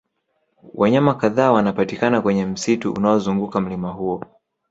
wanyama kadhaa wanapatikana kwenye msitu unaozunguka mlima huo